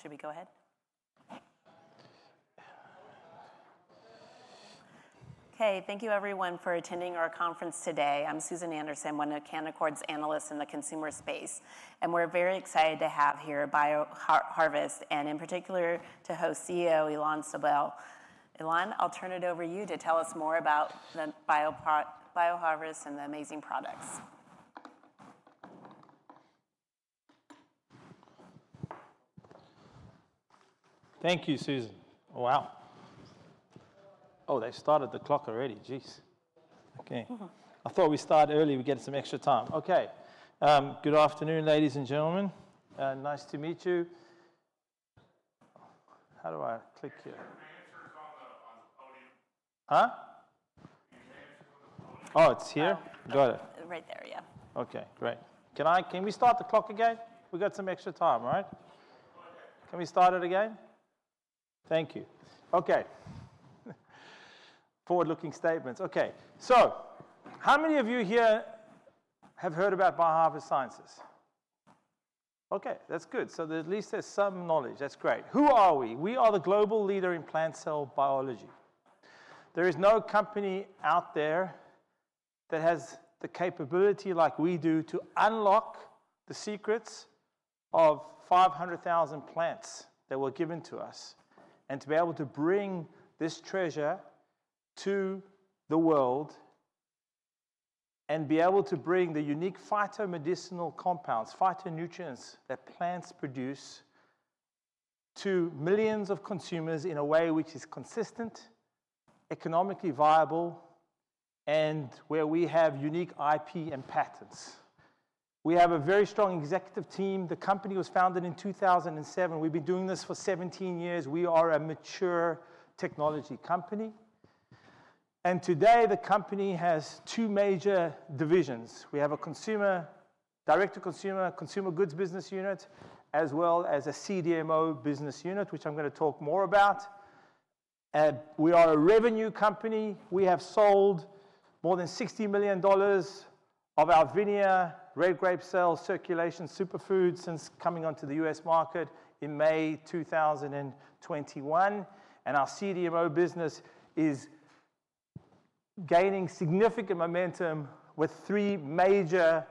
Should we go ahead? Okay, thank you everyone for attending our conference today. I'm Susan Anderson, one of Canaccord Genuity's analysts in the consumer space, and we're very excited to have here BioHarvest and in particular to host CEO Ilan Sobel. Ilan, I'll turn it over to you to tell us more about BioHarvest and the amazing products. Thank you, Susan. Wow. Oh, they've started the clock already. Jeez. Okay. I thought we start early, we get some extra time. Okay. Good afternoon, ladies and gentlemen. Nice to meet you. How do I click here? Oh, it's here. Got it. Right there, yeah. Okay, great. Can we start the clock again? We got some extra time, right? Can we start it again? Thank you. Okay. Forward-looking statements. How many of you here have heard about BioHarvest Sciences? That's good. At least there's some knowledge. That's great. Who are we? We are the global leader in plant cell biology. There is no company out there that has the capability like we do to unlock the secrets of 500,000 plants that were given to us and to be able to bring this treasure to the world and be able to bring the unique phyto-medicinal compounds, phytonutrients that plants produce to millions of consumers in a way which is consistent, economically viable, and where we have unique IP and patents. We have a very strong executive team. The company was founded in 2007. We've been doing this for 17 years. We are a mature technology company. Today, the company has two major divisions. We have a consumer, direct-to-consumer, consumer goods business unit, as well as a CDMO business unit, which I'm going to talk more about. We are a revenue company. We have sold more than $60 million of our VINIA, red grape cells, circulation superfoods since coming onto the U.S. market in May 2021. Our CDMO business is gaining significant momentum with three major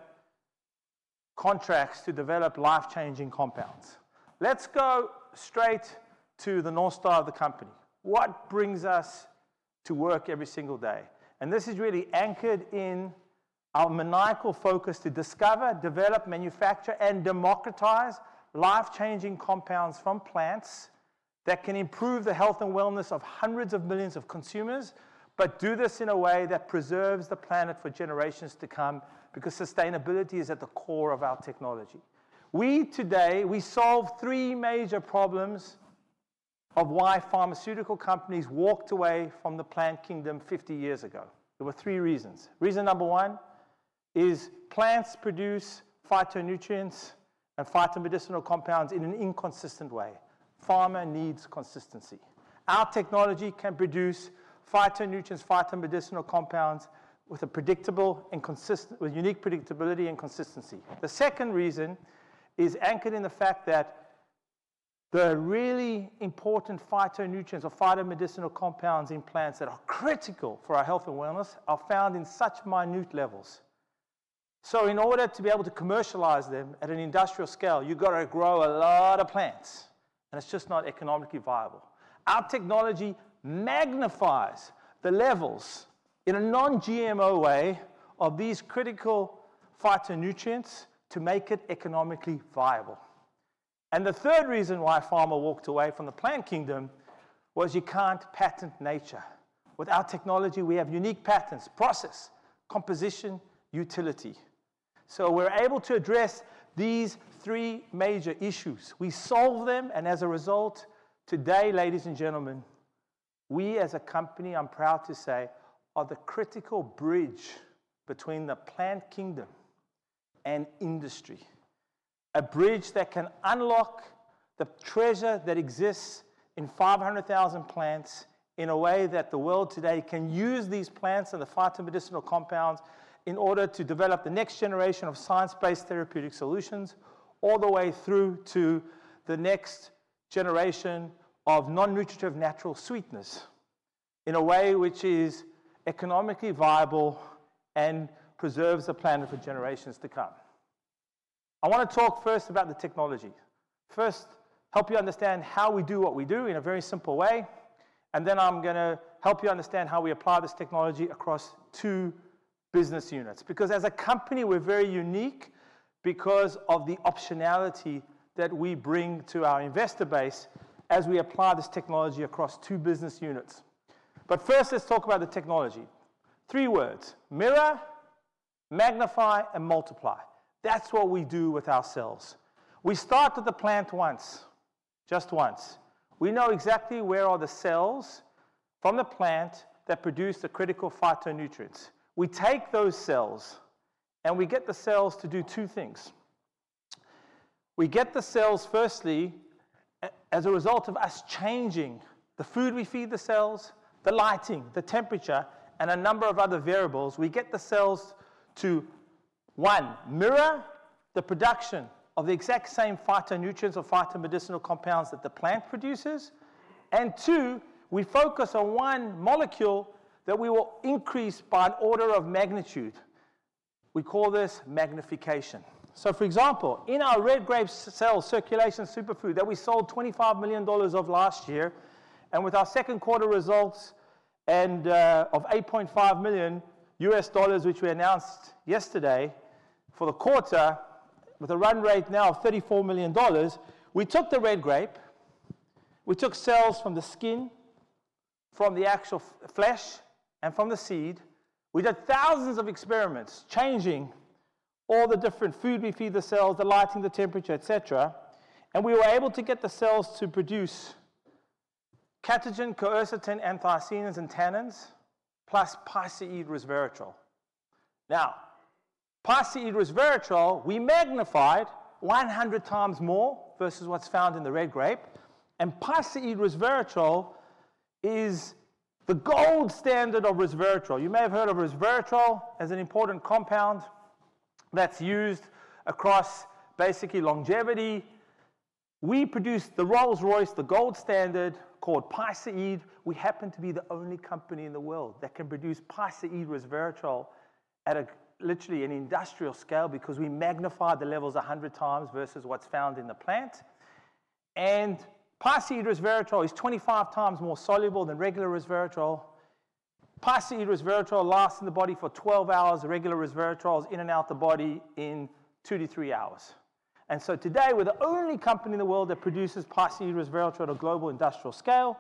contracts to develop life-changing compounds. Let's go straight to the north star of the company. What brings us to work every single day? This is really anchored in our maniacal focus to discover, develop, manufacture, and democratize life-changing compounds from plants that can improve the health and wellness of hundreds of millions of consumers, but do this in a way that preserves the planet for generations to come because sustainability is at the core of our technology. Today, we solve three major problems of why pharmaceutical companies walked away from the plant kingdom 50 years ago. There were three reasons. Reason number one is plants produce phytonutrients and phyto-medicinal compounds in an inconsistent way. Pharma needs consistency. Our technology can produce phytonutrients, phyto-medicinal compounds with a predictable and consistent, with unique predictability and consistency. The second reason is anchored in the fact that the really important phytonutrients or phyto-medicinal compounds in plants that are critical for our health and wellness are found in such minute levels. In order to be able to commercialize them at an industrial scale, you've got to grow a lot of plants. It's just not economically viable. Our technology magnifies the levels in a non-GMO way of these critical phytonutrients to make it economically viable. The third reason why pharma walked away from the plant kingdom was you can't patent nature. With our technology, we have unique patents, process, composition, utility. We're able to address these three major issues. We solve them, and as a result, today, ladies and gentlemen, we as a company, I'm proud to say, are the critical bridge between the plant kingdom and industry. A bridge that can unlock the treasure that exists in 500,000 plants in a way that the world today can use these plants and the phyto-medicinal compounds in order to develop the next generation of science-based therapeutic solutions all the way through to the next generation of non-nutritive natural sweetness in a way which is economically viable and preserves the planet for generations to come. I want to talk first about the technology. First, help you understand how we do what we do in a very simple way. Then I'm going to help you understand how we apply this technology across two business units. As a company, we're very unique because of the optionality that we bring to our investor base as we apply this technology across two business units. First, let's talk about the technology. Three words: mirror, magnify, and multiply. That's what we do with our cells. We start with the plant once, just once. We know exactly where are the cells from the plant that produce the critical phytonutrients. We take those cells and we get the cells to do two things. We get the cells firstly, as a result of us changing the food we feed the cells, the lighting, the temperature, and a number of other variables. We get the cells to, one, mirror the production of the exact same phytonutrients or phyto-medicinal compounds that the plant produces. Two, we focus on one molecule that we will increase by an order of magnitude. We call this magnification. For example, in our red grape cell circulation superfood that we sold $25 million of last year, and with our second quarter results of $8.5 million U.S. dollars, which we announced yesterday for the quarter, with a run rate now of $34 million, we took the red grape, we took cells from the skin, from the actual flesh, and from the seed. We did thousands of experiments changing all the different food we feed the cells, the lighting, the temperature, et cetera. We were able to get the cells to produce catechin, quercetin, anthocyanins, and tannins, plus piceid resveratrol. Now, piceid resveratrol, we magnified 100 times more versus what's found in the red grape. Piceid resveratrol is the gold standard of resveratrol. You may have heard of resveratrol as an important compound that's used across basically longevity. We produced the Rolls-Royce, the gold standard called piceid. We happen to be the only company in the world that can produce piceid resveratrol at literally an industrial scale because we magnified the levels 100 times versus what's found in the plant. Piceid resveratrol is 25 times more soluble than regular resveratrol. Piceid resveratrol lasts in the body for 12 hours. Regular resveratrol is in and out the body in 2 hours-3 hours. Today, we're the only company in the world that produces piceid resveratrol at a global industrial scale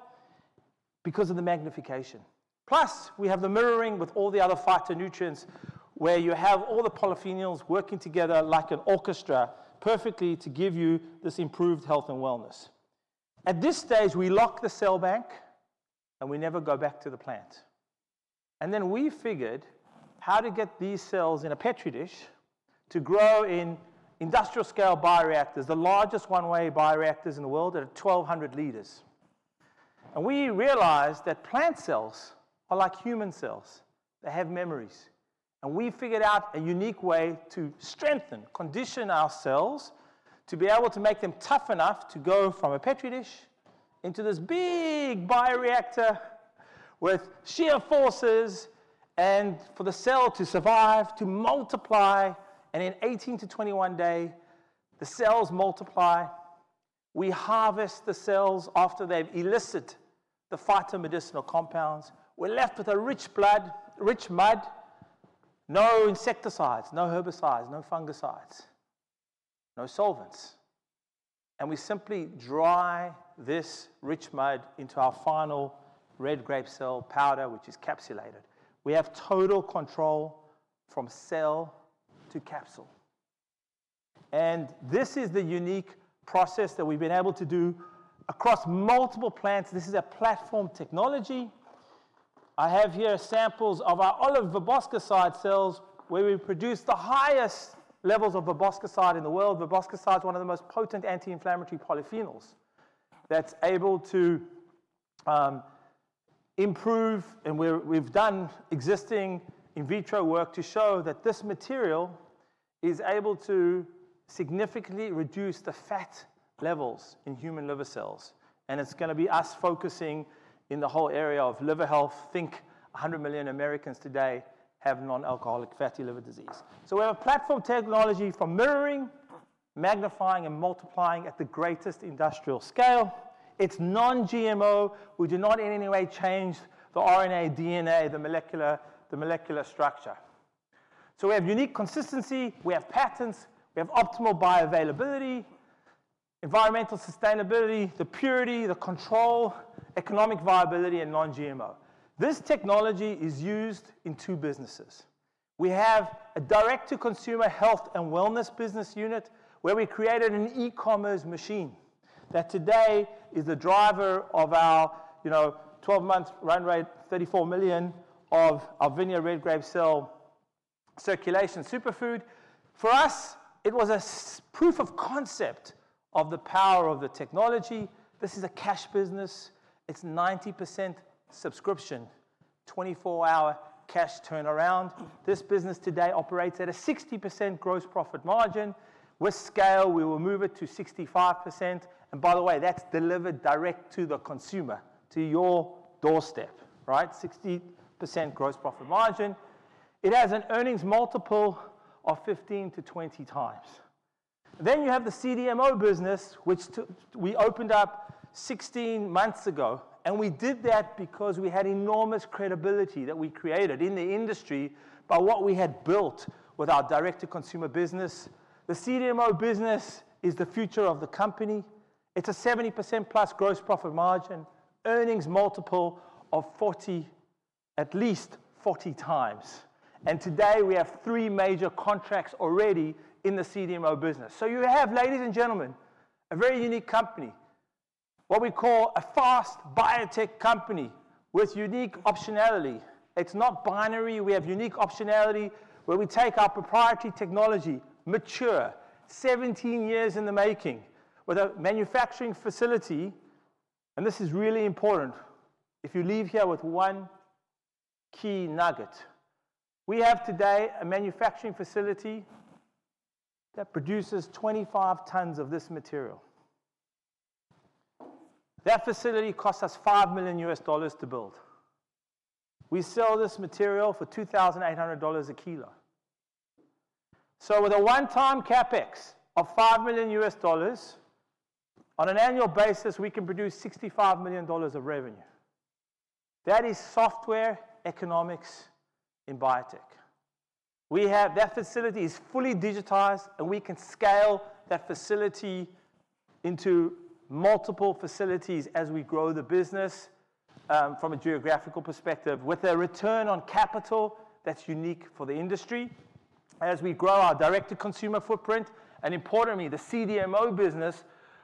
because of the magnification. Plus, we have the mirroring with all the other phytonutrients where you have all the polyphenols working together like an orchestra perfectly to give you this improved health and wellness. At this stage, we lock the cell bank and we never go back to the plant. We figured how to get these cells in a petri dish to grow in industrial-scale bioreactors, the largest one-way bioreactors in the world at 1,200 liters. We realized that plant cells are like human cells. They have memories. We figured out a unique way to strengthen, condition our cells to be able to make them tough enough to go from a petri dish into this big bioreactor with sheer forces and for the cell to survive, to multiply. In 18 days-21 days, the cells multiply. We harvest the cells after they've elicit the phyto-medicinal compounds. We're left with a rich blood, rich mud, no insecticides, no herbicides, no fungicides, no solvents. We simply dry this rich mud into our final red grape cell powder, which is capsulated. We have total control from cell to capsule. This is the unique process that we've been able to do across multiple plants. This is a platform technology. I have here samples of our olive verbascoside cells where we produce the highest levels of verbascoside in the world. Verbascoside is one of the most potent anti-inflammatory polyphenols that's able to improve, and we've done existing in vitro work to show that this material is able to significantly reduce the fat levels in human liver cells. It's going to be us focusing in the whole area of liver health. Think 100 million Americans today have non-alcoholic fatty liver disease. We have a platform technology for mirroring, magnifying, and multiplying at the greatest industrial scale. It's non-GMO. We do not in any way change the RNA, DNA, the molecular structure. We have unique consistency. We have patents. We have optimal bioavailability, environmental sustainability, the purity, the control, economic viability, and non-GMO. This technology is used in two businesses. We have a direct-to-consumer health and wellness business unit where we created an e-commerce machine that today is the driver of our, you know, 12 months run rate, $34 million of our VINIA red grape cell circulation superfood. For us, it was a proof of concept of the power of the technology. This is a cash business. It's 90% subscription, 24-hour cash turnaround. This business today operates at a 60% gross profit margin. With scale, we will move it to 65%. By the way, that's delivered direct to the consumer, to your doorstep, right? 60% gross profit margin. It has an earnings multiple of 15-20 times. You have the CDMO business, which we opened up 16 months ago. We did that because we had enormous credibility that we created in the industry by what we had built with our direct-to-consumer business. The CDMO business is the future of the company. It's a 70% plus gross profit margin, earnings multiple of 40, at least 40 times. Today we have three major contracts already in the CDMO business. You have, ladies and gentlemen, a very unique company, what we call a fast biotech company with unique optionality. It's not binary. We have unique optionality where we take our proprietary technology, mature, 17 years in the making with a manufacturing facility. This is really important. If you leave here with one key nugget, we have today a manufacturing facility that produces 25 tons of this material. That facility costs us $5 million to build. We sell this material for $2,800 a kilo. With a one-time CapEx of $5 million, on an annual basis, we can produce $65 million of revenue. That is software economics in biotech. We have that facility fully digitized, and we can scale that facility into multiple facilities as we grow the business from a geographical perspective with a return on capital that's unique for the industry. As we grow our direct-to-consumer footprint and importantly, the CDMO business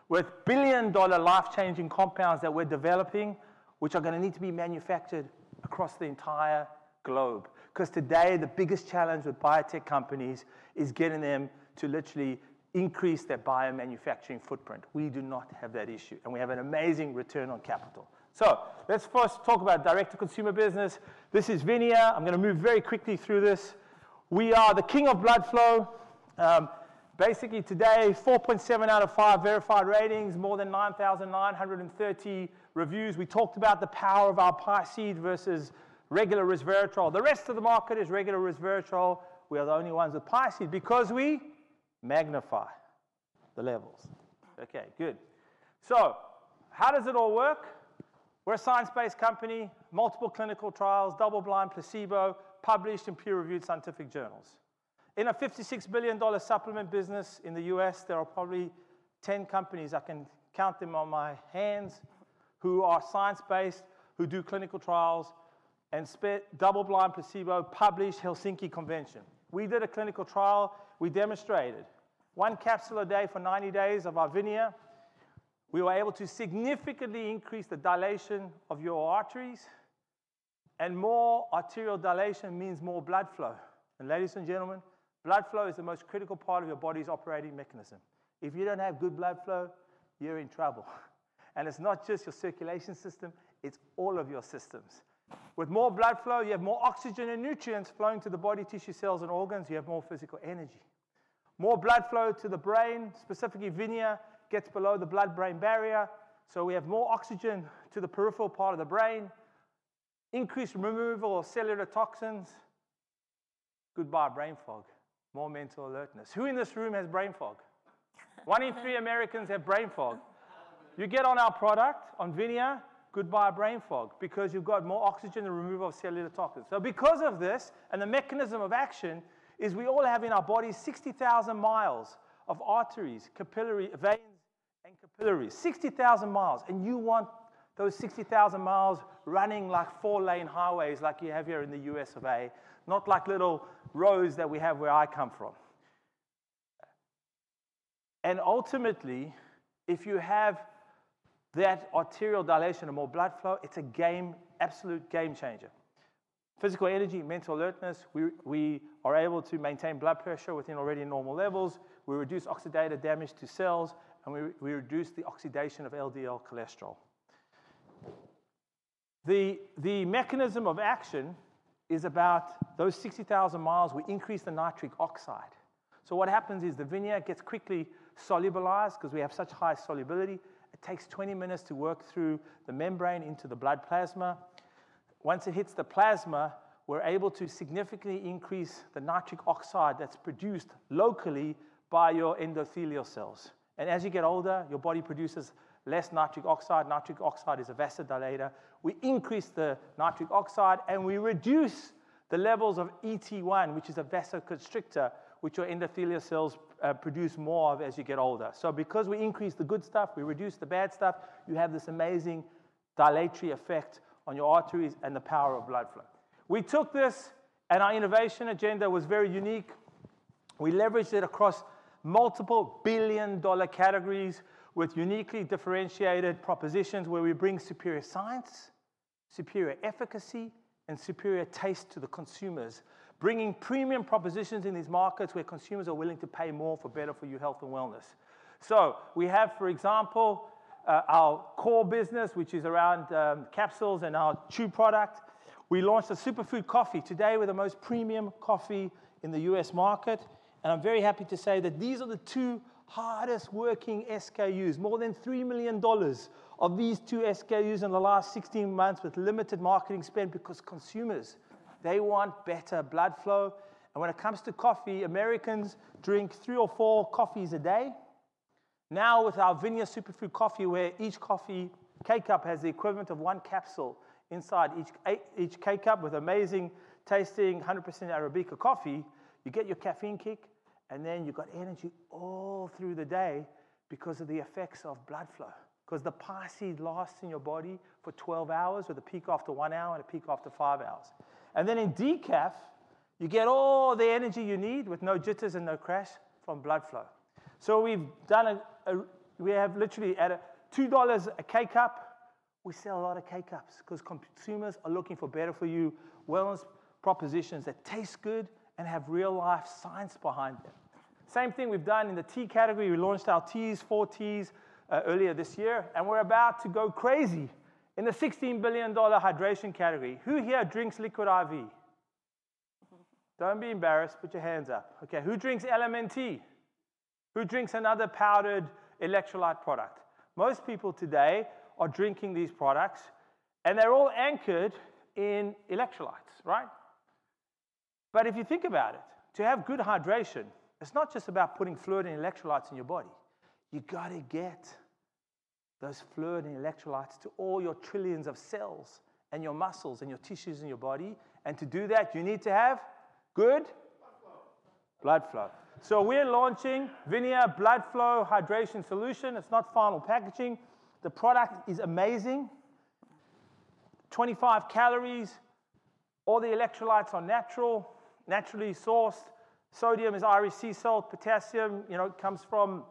with billion-dollar life-changing compounds that we're developing, which are going to need to be manufactured across the entire globe. Today, the biggest challenge with biotech companies is getting them to literally increase their biomanufacturing footprint. We do not have that issue, and we have an amazing return on capital. Let's first talk about direct-to-consumer business. This is VINIA. I'm going to move very quickly through this. We are the king of blood flow. Basically, today, 4.7 out of 5 verified ratings, more than 9,930 reviews. We talked about the power of our piceid resveratrol versus regular resveratrol. The rest of the market is regular resveratrol. We are the only ones with piceid because we magnify the levels. Okay, good. How does it all work? We're a science-based company, multiple clinical trials, double-blind placebo, published in peer-reviewed scientific journals. In a $56 billion supplement business in the U.S., there are probably 10 companies I can count them on my hands who are science-based, who do clinical trials, and spent double-blind placebo, published Helsinki Convention. We did a clinical trial. We demonstrated one capsule a day for 90 days of our VINIA. We were able to significantly increase the dilation of your arteries, and more arterial dilation means more blood flow. Ladies and gentlemen, blood flow is the most critical part of your body's operating mechanism. If you don't have good blood flow, you're in trouble. It's not just your circulation system. It's all of your systems. With more blood flow, you have more oxygen and nutrients flowing to the body, tissue, cells, and organs. You have more physical energy. More blood flow to the brain, specifically VINIA, gets below the blood-brain barrier. We have more oxygen to the peripheral part of the brain, increased removal of cellular toxins, goodbye brain fog, more mental alertness. Who in this room has brain fog? One in three Americans have brain fog. You get on our product, on VINIA, goodbye brain fog because you've got more oxygen and removal of cellular toxins. Because of this, and the mechanism of action is we all have in our body 60,000 miles of arteries, capillaries, veins, and capillaries, 60,000 miles. You want those 60,000 miles running like four-lane highways like you have here in the U.S. of A, not like little roads that we have where I come from. Ultimately, if you have that arterial dilation and more blood flow, it's a game, absolute game changer. Physical energy, mental alertness, we are able to maintain blood pressure within already normal levels. We reduce oxidative damage to cells, and we reduce the oxidation of LDL cholesterol. The mechanism of action is about those 60,000 miles. We increase the nitric oxide. What happens is the VINIA gets quickly solubilized because we have such high solubility. It takes 20 minutes to work through the membrane into the blood plasma. Once it hits the plasma, we're able to significantly increase the nitric oxide that's produced locally by your endothelial cells. As you get older, your body produces less nitric oxide. Nitric oxide is a vessel dilator. We increase the nitric oxide, and we reduce the levels of ET1, which is a vessel constrictor, which your endothelial cells produce more of as you get older. Because we increase the good stuff, we reduce the bad stuff. You have this amazing dilatory effect on your arteries and the power of blood flow. We took this, and our innovation agenda was very unique. We leveraged it across multiple billion-dollar categories with uniquely differentiated propositions where we bring superior science, superior efficacy, and superior taste to the consumers, bringing premium propositions in these markets where consumers are willing to pay more for better-for-you health and wellness. We have, for example, our core business, which is around capsules and our chew product. We launched a superfood coffee today with the most premium coffee in the U.S. market. I'm very happy to say that these are the two hardest working SKUs. More than $3 million of these two SKUs in the last 16 months with limited marketing spend because consumers, they want better blood flow. When it comes to coffee, Americans drink three or four coffees a day. Now, with our VINIA Superfood Coffee, where each coffee K-cup has the equivalent of one capsule inside each K-cup with amazing tasting 100% Arabica coffee, you get your caffeine kick, and then you've got energy all through the day because of the effects of blood flow. Because the piceid resveratrol lasts in your body for 12 hours with a peak after one hour and a peak after five hours. In decaf, you get all the energy you need with no jitters and no crash from blood flow. At $2 a K-cup, we sell a lot of K-cups because consumers are looking for better-for-you wellness propositions that taste good and have real-life science behind them. Same thing we've done in the tea category. We launched our teas, four teas, earlier this year, and we're about to go crazy in the $16 billion hydration category. Who here drinks Liquid I.V.? Don't be embarrassed. Put your hands up. Who drinks LMNT? Who drinks another powdered electrolyte product? Most people today are drinking these products, and they're all anchored in electrolytes, right? If you think about it, to have good hydration, it's not just about putting fluid and electrolytes in your body. You got to get those fluid and electrolytes to all your trillions of cells and your muscles and your tissues in your body. To do that, you need to have good blood flow. We're launching VINIA BloodFlow Hydration Solution. It's not final packaging. The product is amazing. 25 calories. All the electrolytes are natural, naturally sourced. Sodium is Irish sea salt. Potassium comes from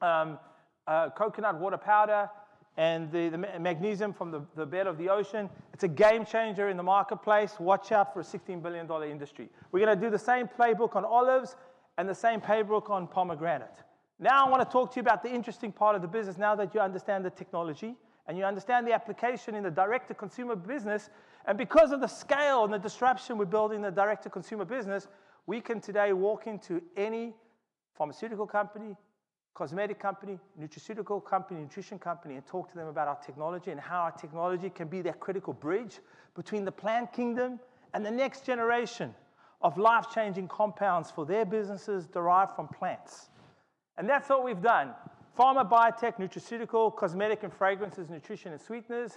coconut water powder and the magnesium from the bed of the ocean. It's a game changer in the marketplace. Watch out for a $16 billion industry. We're going to do the same playbook on olives and the same playbook on pomegranate. Now I want to talk to you about the interesting part of the business now that you understand the technology and you understand the application in the direct-to-consumer business. Because of the scale and the disruption we're building in the direct-to-consumer business, we can today walk into any pharmaceutical company, cosmetic company, nutraceutical company, nutrition company, and talk to them about our technology and how our technology can be that critical bridge between the plant kingdom and the next generation of life-changing compounds for their businesses derived from plants. That's all we've done. Pharma, biotech, nutraceutical, cosmetic and fragrances, nutrition and sweeteners.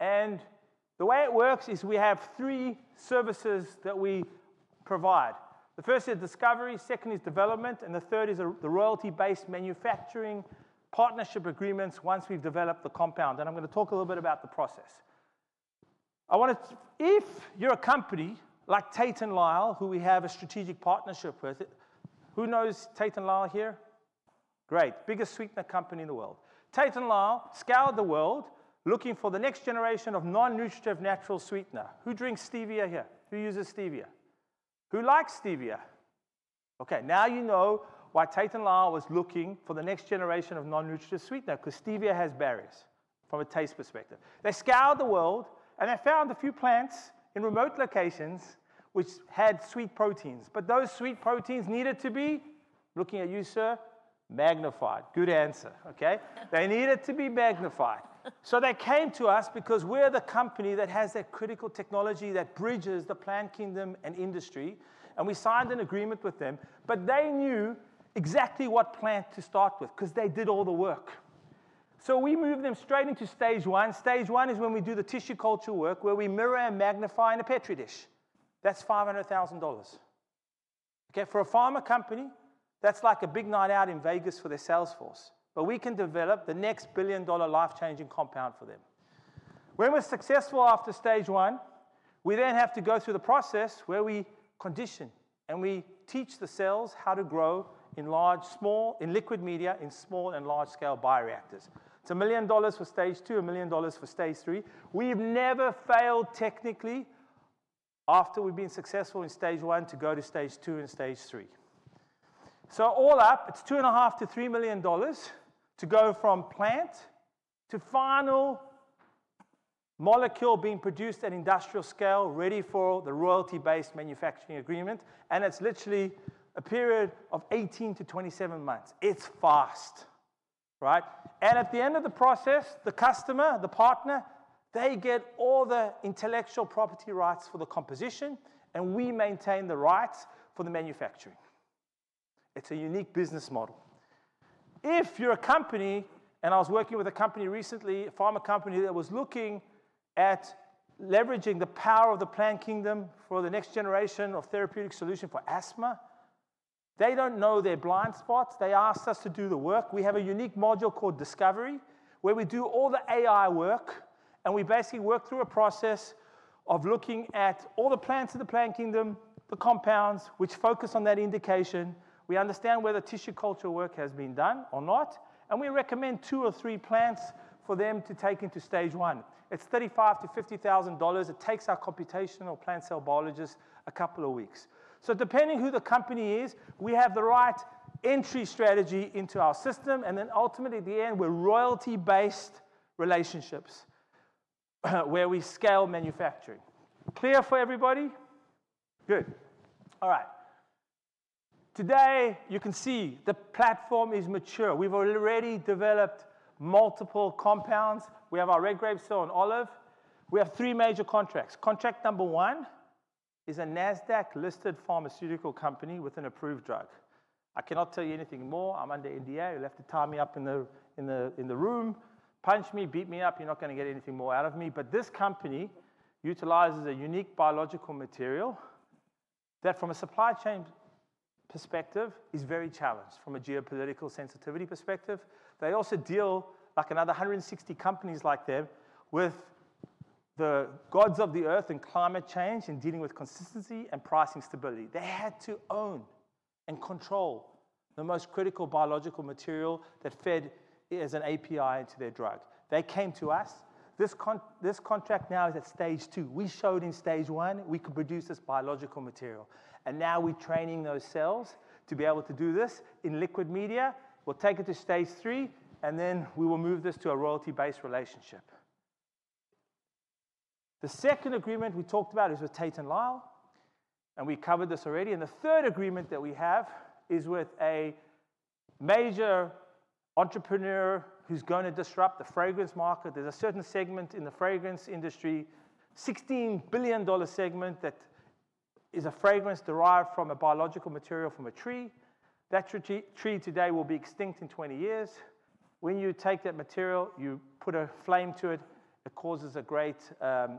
The way it works is we have three services that we provide. The first is discovery, second is development, and the third is the royalty-based manufacturing partnership agreements once we've developed the compound. I'm going to talk a little bit about the process. If you're a company like Tate & Lyle, who we have a strategic partnership with—who knows Tate & Lyle here? Great. Biggest sweetener company in the world. Tate & Lyle scoured the world looking for the next generation of non-nutritive natural sweetener. Who drinks Stevia here? Who uses Stevia? Who likes Stevia? Okay, now you know why Tate & Lyle was looking for the next generation of non-nutritive sweetener because Stevia has berries from a taste perspective. They scoured the world and they found a few plants in remote locations which had sweet proteins. Those sweet proteins needed to be, looking at you, sir, magnified. Good answer, okay? They needed to be magnified. They came to us because we're the company that has that critical technology that bridges the plant kingdom and industry. We signed an agreement with them. They knew exactly what plant to start with because they did all the work. We moved them straight into stage one. Stage one is when we do the tissue culture work where we mirror and magnify in a petri dish. That's $500,000. For a pharma company, that's like a big night out in Vegas for their sales force. We can develop the next billion-dollar life-changing compound for them. When we're successful after stage one, we then have to go through the process where we condition and we teach the cells how to grow in large, small, in liquid media, in small and large-scale bioreactors. It's $1 million for stage two, $1 million for stage three. We've never failed technically after we've been successful in stage one to go to stage two and stage three. All up, it's $2.5 million-$3 million to go from plant to final molecule being produced at industrial scale ready for the royalty-based manufacturing agreement. It's literally a period of 18 months-27 months. It's fast, right? At the end of the process, the customer, the partner, they get all the intellectual property rights for the composition, and we maintain the rights for the manufacturing. It's a unique business model. If you're a company, and I was working with a company recently, a pharma company that was looking at leveraging the power of the plant kingdom for the next generation of therapeutic solution for asthma, they don't know their blind spots. They asked us to do the work. We have a unique module called Discovery where we do all the AI work, and we basically work through a process of looking at all the plants in the plant kingdom, the compounds which focus on that indication. We understand where the tissue culture work has been done or not, and we recommend two or three plants for them to take into stage one. It's $35,000-$50,000. It takes our computational plant cell biologists a couple of weeks. Depending on who the company is, we have the right entry strategy into our system. Ultimately, at the end, we're royalty-based relationships where we scale manufacturing. Clear for everybody? Good. All right. Today, you can see the platform is mature. We've already developed multiple compounds. We have our red grape, and olive. We have three major contracts. Contract number one is a NASDAQ-listed pharmaceutical company with an approved drug. I cannot tell you anything more. I'm under NDA. You'll have to tie me up in the room, punch me, beat me up. You're not going to get anything more out of me. This company utilizes a unique biological material that from a supply chain perspective is very challenged from a geopolitical sensitivity perspective. They also deal like another 160 companies like them with the gods of the earth and climate change and dealing with consistency and pricing stability. They had to own and control the most critical biological material that fed as an API into their drug. They came to us. This contract now is at stage two. We showed in stage one we could produce this biological material. Now we're training those cells to be able to do this in liquid media. We'll take it to stage three, and then we will move this to a royalty-based relationship. The second agreement we talked about is with Tate & Lyle, and we covered this already. The third agreement that we have is with a major entrepreneur who's going to disrupt the fragrance market. There's a certain segment in the fragrance industry, $16 billion segment that is a fragrance derived from a biological material from a tree. That tree today will be extinct in 20 years. When you take that material, you put a flame to it. It causes a great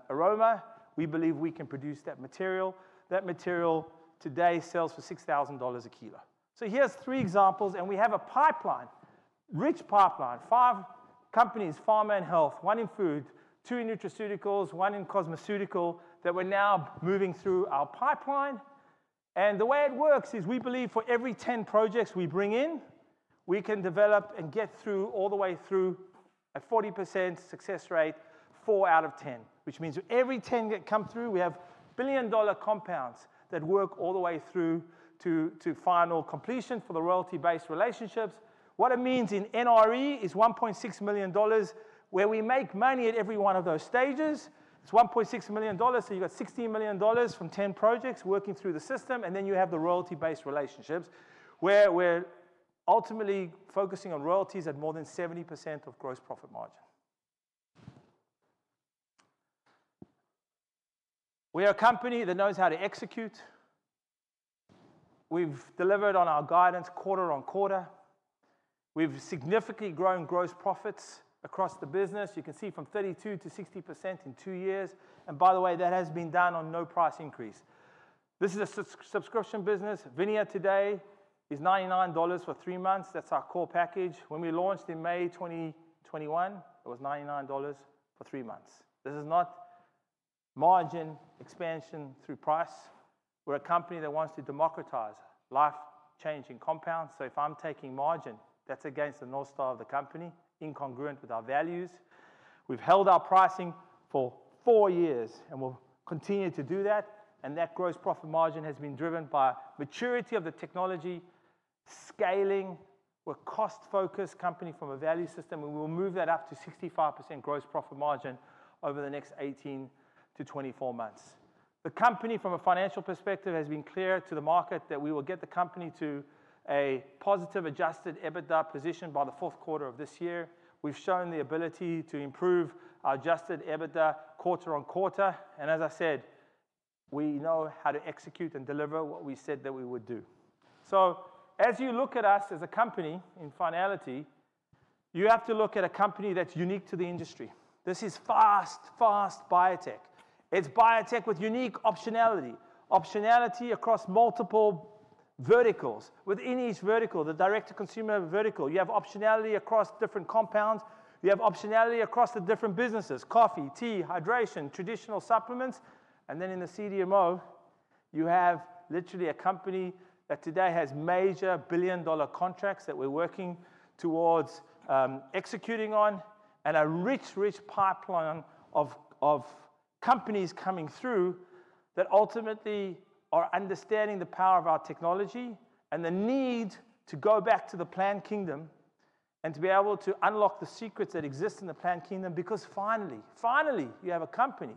aroma. We believe we can produce that material. That material today sells for $6,000 a kilo. Here are three examples, and we have a pipeline, rich pipeline, five companies: Pharma and Health, one in Food, two in Nutraceuticals, one in Cosmeceutical that we're now moving through our pipeline. The way it works is we believe for every 10 projects we bring in, we can develop and get through all the way through a 40% success rate, 4 out of 10, which means every 10 that come through, we have billion-dollar compounds that work all the way through to final completion for the royalty-based relationships. What it means in NRE is $1.6 million where we make money at every one of those stages. It's $1.6 million. You've got $16 million from 10 projects working through the system, and then you have the royalty-based relationships where we're ultimately focusing on royalties at more than 70% of gross profit margin. We are a company that knows how to execute. We've delivered on our guidance quarter on quarter. We've significantly grown gross profits across the business. You can see from 32% to 60% in two years. By the way, that has been done on no price increase. This is a subscription business. VINIA today is $99 for three months. That's our core package. When we launched in May 2021, it was $99 for three months. This is not margin expansion through price. We're a company that wants to democratize life-changing compounds. If I'm taking margin, that's against the north star of the company, incongruent with our values. We've held our pricing for four years, and we'll continue to do that. That gross profit margin has been driven by maturity of the technology, scaling. We're a cost-focused company from a value system, and we'll move that up to 65% gross profit margin over the next 18 months-24 months. The company, from a financial perspective, has been clear to the market that we will get the company to a positive adjusted EBITDA position by the fourth quarter of this year. We've shown the ability to improve our adjusted EBITDA quarter on quarter. As I said, we know how to execute and deliver what we said that we would do. As you look at us as a company in finality, you have to look at a company that's unique to the industry. This is fast, fast biotech. It's biotech with unique optionality. Optionality across multiple verticals. Within each vertical, the direct-to-consumer vertical, you have optionality across different compounds. You have optionality across the different businesses: coffee, tea, hydration, traditional supplements. In the CDMO, you have literally a company that today has major billion-dollar contracts that we're working towards executing on and a rich, rich pipeline of companies coming through that ultimately are understanding the power of our technology and the need to go back to the plant kingdom and to be able to unlock the secrets that exist in the plant kingdom because finally, finally, you have a company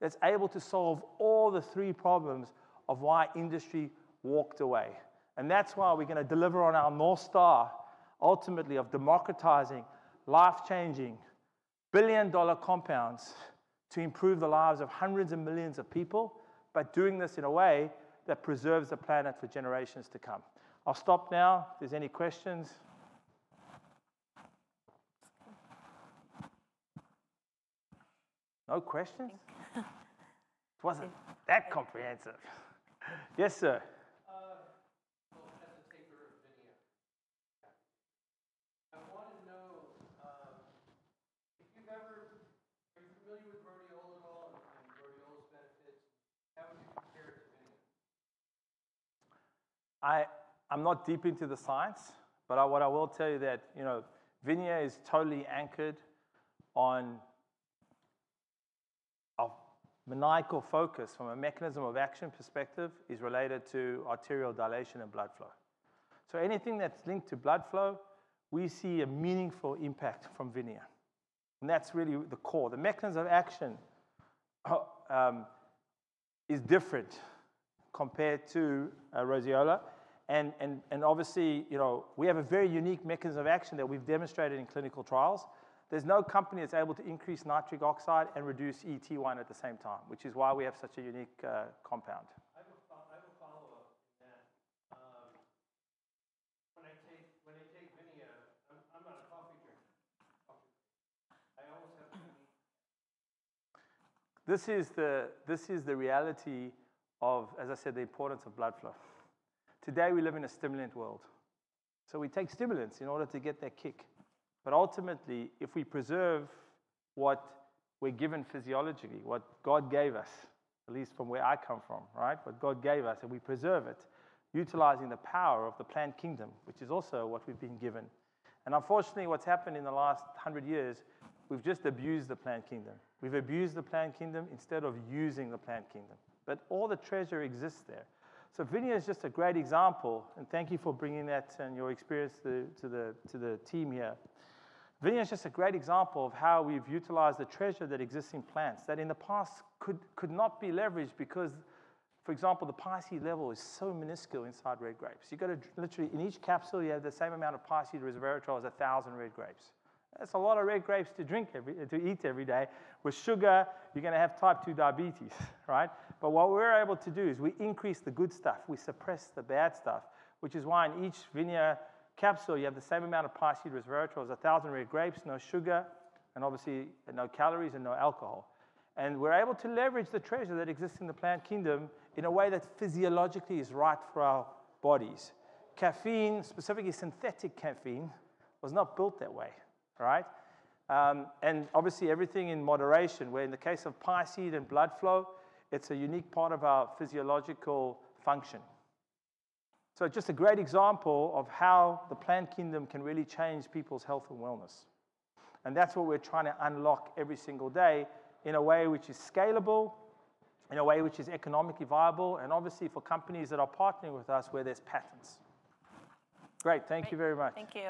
that's able to solve all the three problems of why industry walked away. That is why we're going to deliver on our north star, ultimately of democratizing life-changing billion-dollar compounds to improve the lives of hundreds of millions of people by doing this in a way that preserves the planet for generations to come. I'll stop now. If there's any questions? No questions? Thank you. It wasn't that comprehensive. Yes, sir? I want to know, have you ever worked with Mariola and Mariola's benefits? I'm not deep into the science, but what I will tell you is that VINIA is totally anchored on a maniacal focus from a mechanism of action perspective that is related to arterial dilation and blood flow. Anything that's linked to blood flow, we see a meaningful impact from VINIA. That's really the core. The mechanism of action is different compared to resveratrol. Obviously, we have a very unique mechanism of action that we've demonstrated in clinical trials. There's no company that's able to increase nitric oxide and reduce ET1 at the same time, which is why we have such a unique compound. When I take VINIA, I'm about to cough again. This is the reality of, as I said, the importance of blood flow. Today, we live in a stimulant world. We take stimulants in order to get that kick. Ultimately, if we preserve what we're given physiologically, what God gave us, at least from where I come from, right? What God gave us, and we preserve it, utilizing the power of the plant kingdom, which is also what we've been given. Unfortunately, what's happened in the last 100 years, we've just abused the plant kingdom. We've abused the plant kingdom instead of using the plant kingdom. All the treasure exists there. VINIA is just a great example. Thank you for bringing that and your experience to the team here. VINIA is just a great example of how we've utilized the treasure that exists in plants that in the past could not be leveraged because, for example, the piceid level is so minuscule inside red grapes. You've got to literally, in each capsule, you have the same amount of piceid resveratrol as 1,000 red grapes. That's a lot of red grapes to drink every day, to eat every day. With sugar, you're going to have type 2 diabetes, right? What we're able to do is we increase the good stuff. We suppress the bad stuff, which is why in each VINIA capsule, you have the same amount of piceid resveratrol as 1,000 red grapes, no sugar, and obviously no calories and no alcohol. We're able to leverage the treasure that exists in the plant kingdom in a way that physiologically is right for our bodies. Caffeine, specifically synthetic caffeine, was not built that way, right? Obviously, everything in moderation, where in the case of piceid and blood flow, it's a unique part of our physiological function. Just a great example of how the plant kingdom can really change people's health and wellness. That's what we're trying to unlock every single day in a way which is scalable, in a way which is economically viable, and obviously for companies that are partnering with us where there's patents. Great. Thank you very much. Thank you.